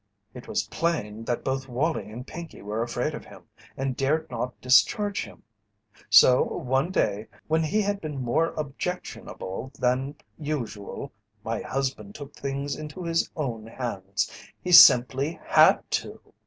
"It was plain that both Wallie and Pinkey were afraid of him, and dared not discharge him, so, one day when he had been more objectionable than usual, my husband took things into his own hands he simply had to!